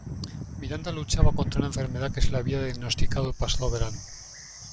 Miranda luchaba contra una enfermedad que se le había diagnosticado el pasado verano.